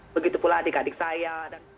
begitu pula adik adik saya